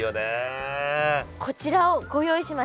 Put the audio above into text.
こちらをご用意しました！